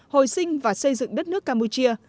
hồi sinh và xây dựng đất nước campuchia